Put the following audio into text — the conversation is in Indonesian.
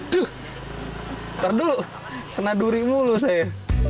taduh kena duri mulu saya